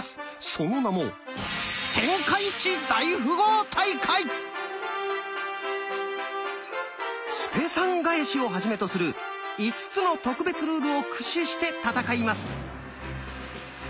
その名も「スぺ３返し」をはじめとする５つの特別ルールを駆使して戦います。